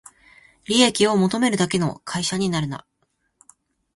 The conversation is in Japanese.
利益を求めるだけの会社になるな